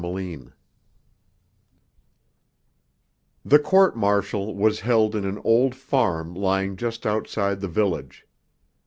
XII The Court Martial was held in an old farm lying just outside the village.